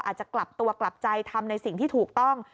อาจจะกลับตัวกลับใจทำในสิ่งที่ถูกต้อง